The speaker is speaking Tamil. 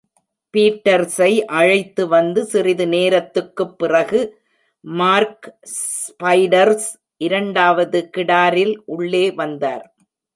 பீட்டர்ஸை அழைத்து வந்து சிறிது நேரத்துக்குப்பிறகு மார்க் ஸ்பைடர்ஸ் இரண்டாவது கிடாரில் உள்ளே வந்தார்.